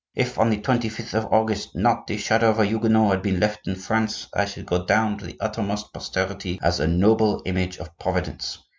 If on the 25th of August not the shadow of a Huguenot had been left in France, I should go down to the uttermost posterity as a noble image of Providence.